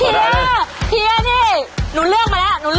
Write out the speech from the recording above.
เฮียพี่หนูเลือกมาแล้ว